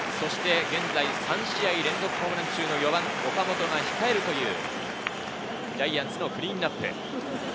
現在３試合連続ホームラン中の４番・岡本が控えるというジャイアンツのクリーンナップ。